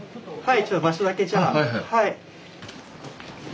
はい。